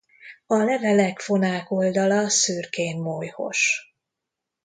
A levelek fonák oldala szürkén molyhos.